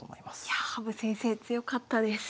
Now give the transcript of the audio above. いやあ羽生先生強かったです。